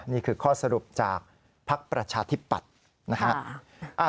นี่คือข้อสรุปจากภักดิ์ประชาธิปัตย์นะครับ